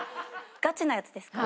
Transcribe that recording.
ガチなやつですか？